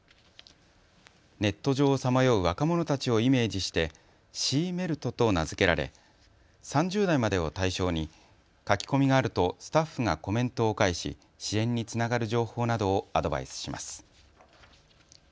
ネット上をさまよう若者たちをイメージしてｓｅａＭＥＬＴと名付けられ３０代までを対象に書き込みがあるとスタッフがコメントを返し、支援につながる情報などをアドバイスします。